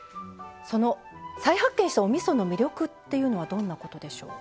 再発見したおみその魅力っていうのはどんなことでしょう？